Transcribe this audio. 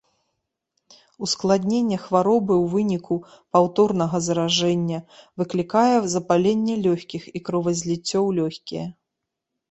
Ускладненне хваробы ў выніку паўторнага заражэння выклікае запаленне лёгкіх і кровазліццё ў лёгкія.